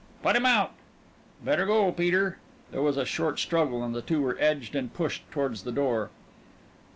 "Put him out!" "Better go, Peter." There was a short struggle and the two were edged and pushed toward the door.